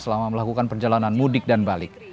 selama melakukan perjalanan mudik dan balik